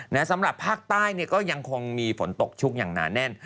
และสำหรับภาคใต้ก็ยังคงมีฝนตกชุกอย่างนานแน่น